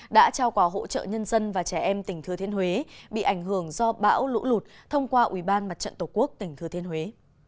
đã trao quà hỗ trợ nhân dân và trẻ em tỉnh thừa thiên huế bị ảnh hưởng do bão lũ lụt thông qua ubnd tổ quốc tỉnh thừa thiên huế